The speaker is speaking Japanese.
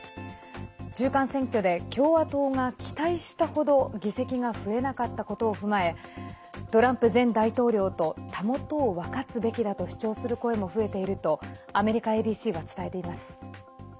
中間選挙で共和党が期待した程議席が増えなかったことを踏まえトランプ前大統領とたもとを分かつべきだと主張する声も増えているとアメリカＡＢＣは伝えています。